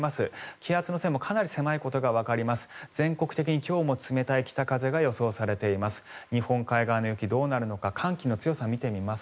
気圧の線もかなり狭いことがわかります。